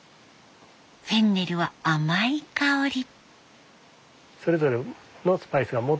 フェンネルは甘い香り。